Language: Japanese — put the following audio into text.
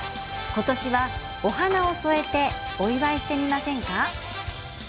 今年は、お花を添えてお祝いしてみませんか？